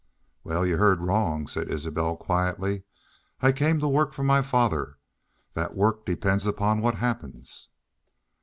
"'Wal, you heerd wrong,' said Isbel, quietly. 'I came to work fer my father. Thet work depends on what happens.'